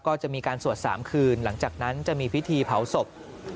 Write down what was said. ก็จะมีการสวด๓คืนหลังจากนั้นจะมีพิธีเผาศพ